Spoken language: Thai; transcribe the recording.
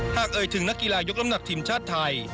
เอ่ยถึงนักกีฬายกน้ำหนักทีมชาติไทย